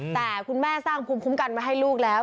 แต่คุณแม่สร้างภูมิคุ้มกันมาให้ลูกแล้ว